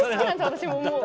私ももう。